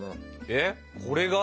えっこれが？